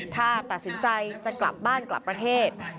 ถ้าตัดสินใจจะกลับบ้านกลับประเทศ